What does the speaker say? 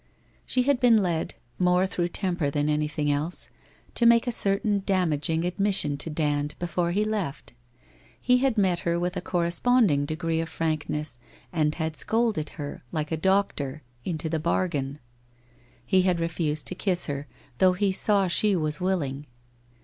She had been led, more through temper than anything else, to make a certain damaging admission to Dand before he left. He had met her with a corresponding degree of frankness and had scolded her, like a doctor, into the bargain. He had refused to kiss her, though he saw she was willing.